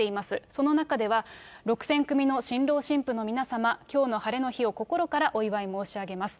その中では、６０００組の新郎新婦の皆様、きょうの晴れの日を心からお祝い申し上げます。